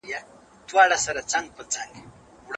هغه د ټولنۍ نظام د لوړو څانګو تشريح کوي.